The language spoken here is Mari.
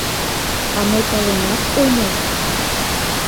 А мый паленат омыл!